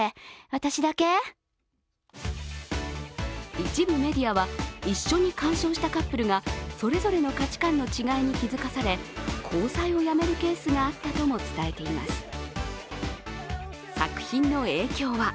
一部メディアは、一緒に観賞したカップルがそれぞれの価値観の違いに気づかされ、交際をやめるケースがあったとも伝えています作品の影響は？